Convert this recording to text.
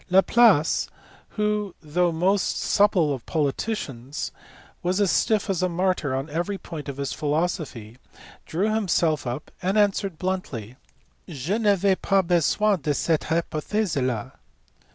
Laplace, who, though the most supple of politicians, was as stiff as a martyr on every point of his philosophy, drew himself up and answered bluntly, "Je n avais pas besoin de cette hypothese la.